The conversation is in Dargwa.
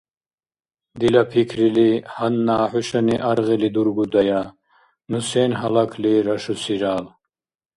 Дила пикрили, гьанна хӀушани аргъили дургудая, ну сен гьалакли рашусирал.